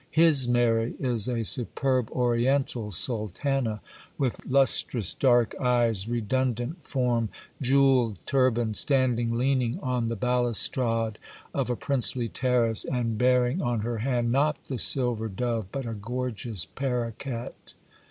His Mary is a superb Oriental sultana, with lustrous dark eyes, redundant form, jewelled turban, standing leaning on the balustrade of a princely terrace, and bearing on her hand, not the silver dove, but a gorgeous paroquet.